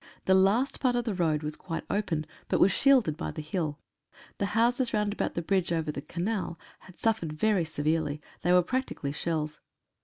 The last part of the road was quite open, but was shielded by the hill. The houses round about the bridge over the Canal had suffered very severely — they were practically shells.